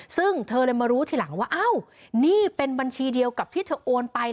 ซึ่งเธอเลยมารู้ทีหลังว่าอ้าวนี่เป็นบัญชีเดียวกับที่เธอโอนไป